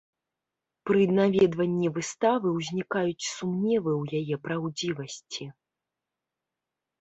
Пры наведванні выставы ўзнікаюць сумневы ў яе праўдзівасці.